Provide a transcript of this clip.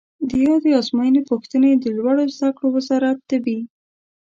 د یادې آزموینې پوښتنې د لوړو زده کړو وزارت طبي